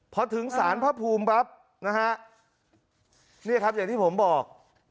พอถึงสารพระภูมิปั๊บนะฮะเนี่ยครับอย่างที่ผมบอก